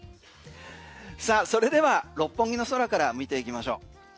さあ、それでは六本木の空から見ていきましょう。